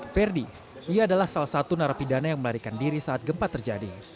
ferdi ia adalah salah satu narapidana yang melarikan diri saat gempa terjadi